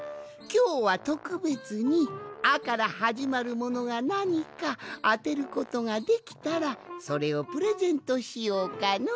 きょうはとくべつに「あ」からはじまるものがなにかあてることができたらそれをプレゼントしようかの。